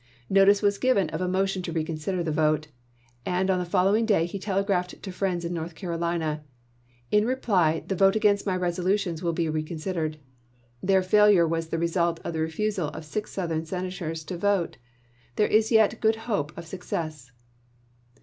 Notice was given of a motion to reconsider the vote ; and on the following day he telegraphed to friends in North Carolina, " In reply, the vote against my resolutions will be reconsidered. Their failure was the result of the refusal of six Southern Senators to vote. There is yet good hope of success."